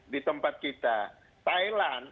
di tempat kita thailand